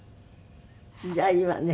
じゃあいいわね。